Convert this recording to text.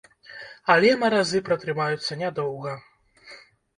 Але маразы пратрымаюцца нядоўга.